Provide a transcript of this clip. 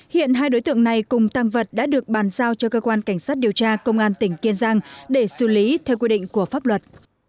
hiện hai đối tượng này cùng tăng vật đã được bàn giao cho cơ quan cảnh sát điều tra công an tỉnh kiên giang để xử lý theo quy định của pháp luật